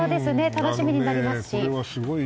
楽しみになりますし。